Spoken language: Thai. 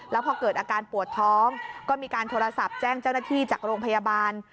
แล้วพอเกิดอาการปวดท้องก็มีการโทรศัพท์แจ้งเจ้าหน้าที่จากโรงพยาบาล